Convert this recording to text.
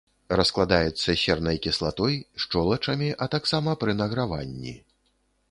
Раскладаецца сернай кіслатой, шчолачамі, а таксама пры награванні.